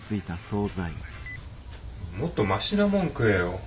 もっとマシなもん食えよ。